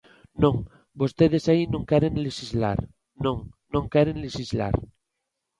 Non, vostedes aí non queren lexislar; non, non queren lexislar.